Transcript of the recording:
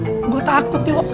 gue takut yuk